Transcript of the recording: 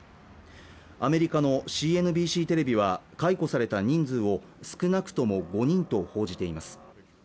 アメリカのＣＮＢＣテレビは解雇された人数を少なくとも５人と報じています